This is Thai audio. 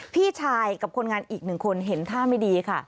พี่ชายกับคนงานอีกหนึ่งคนเห็นท่าไม่ดีค่ะ